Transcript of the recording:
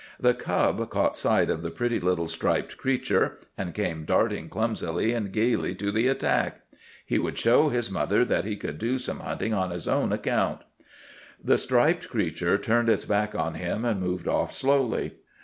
The cub caught sight of the pretty little striped creature, and came darting clumsily and gaily to the attack. He would show his mother that he could do some hunting on his own account. The striped creature turned its back on him and moved off slowly.